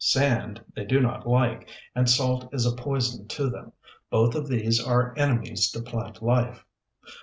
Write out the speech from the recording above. Sand they do not like, and salt is a poison to them. Both of these are enemies to plant life.